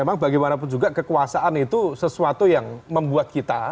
memang bagaimanapun juga kekuasaan itu sesuatu yang membuat kita